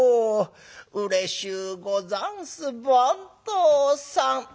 『うれしゅうござんす番頭さん』」。